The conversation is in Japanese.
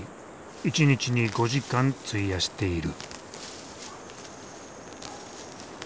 １日に５時間費やしている。